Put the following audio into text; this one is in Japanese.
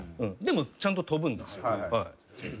でもちゃんと飛ぶんですよ。